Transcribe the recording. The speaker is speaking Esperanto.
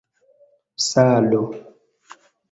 salo